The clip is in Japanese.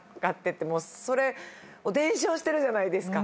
それを伝承してるじゃないですか。